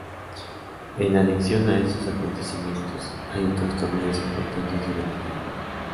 En adición a estos acontecimientos, hay otros torneos importantes durante el año.